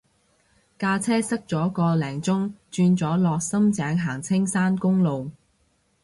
架車塞咗個零鐘轉咗落深井行青山公路